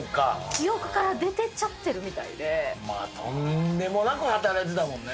記憶から出ていっちゃってるとんでもなく働いてたもんね。